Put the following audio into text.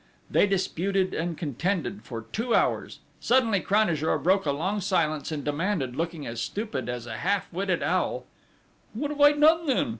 They disputed and contended for two hours. Suddenly Cranajour broke a long silence and demanded, looking as stupid as a half witted owl: "What have I done then?